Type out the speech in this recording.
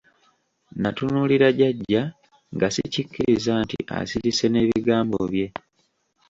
Natunuulira jjajja nga sikikkiriza nti asirise n'ebigambo bye.